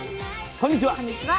こんにちは。